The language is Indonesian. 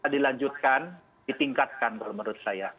dilanjutkan ditingkatkan menurut saya